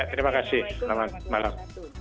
terima kasih selamat malam